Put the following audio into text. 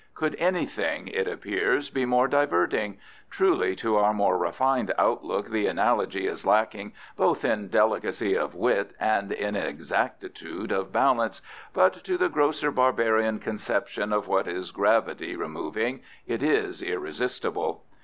Could anything, it appears, be more diverting! Truly to our more refined outlook the analogy is lacking both in delicacy of wit and in exactitude of balance, but to the grosser barbarian conception of what is gravity removing it is irresistible.